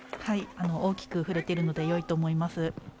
大きく振れているのでいいと思います。